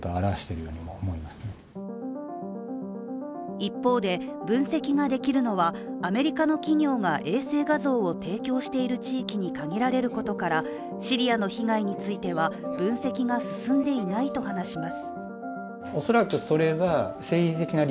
一方で、分析ができるのはアメリカの企業が衛星画像を提供している地域に限られることから、シリアの被害については分析が進んでいないと話します。